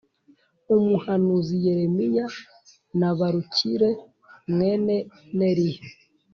umuhanuzi yeremiya na baruki r mwene neriya